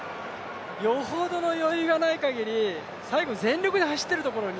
よほどの余裕がない限り、最後全力で走っているところに、